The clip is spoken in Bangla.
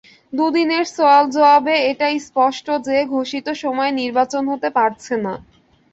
দুদিনের সওয়াল জবাবে এটা স্পষ্ট যে ঘোষিত সময়ে নির্বাচন হতে পারছে না।